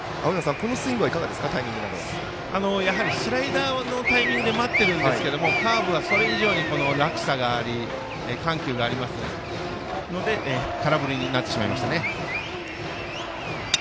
スライダーのタイミングで待ってるんですけどカーブはそれ以上に落差があり緩急がありますので空振りになってしまいました。